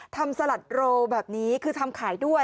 สลัดโรแบบนี้คือทำขายด้วย